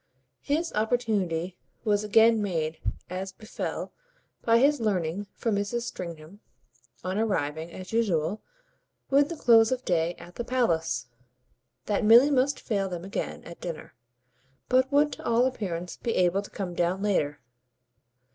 His opportunity was again made, as befell, by his learning from Mrs. Stringham, on arriving, as usual, with the close of day, at the palace, that Milly must fail them again at dinner, but would to all appearance be able to come down later.